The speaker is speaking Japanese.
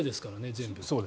全部。